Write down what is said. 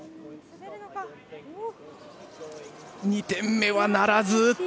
２点目はならず。